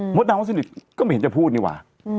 หมดน้ำว่าสนิทก็ไม่เห็นจะพูดนี่หว่า